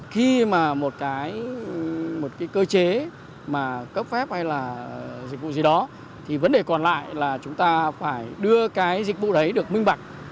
khi mà một cái cơ chế mà cấp phép hay là dịch vụ gì đó thì vấn đề còn lại là chúng ta phải đưa cái dịch vụ đấy được minh bạch